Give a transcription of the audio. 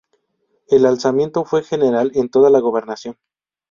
El alzamiento fue general en toda la Gobernación.